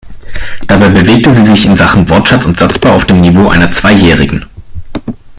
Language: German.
Dabei bewegte sie sich in Sachen Wortschatz und Satzbau auf dem Niveau einer Zweijährigen.